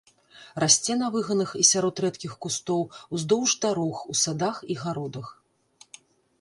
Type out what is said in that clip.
Расце на выганах і сярод рэдкіх кустоў, уздоўж дарог, у садах і гародах.